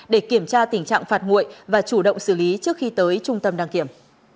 để kiểm tra tình trạng phạt nguội và chủ động xử lý trước khi tới trung tâm đăng kiểm